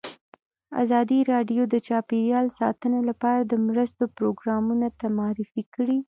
ازادي راډیو د چاپیریال ساتنه لپاره د مرستو پروګرامونه معرفي کړي.